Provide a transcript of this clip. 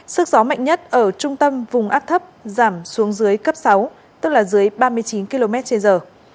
sức gió mạnh nhất ở trung tâm vùng áp thấp giảm xuống dưới cấp sáu tức là dưới ba mươi chín km trên giờ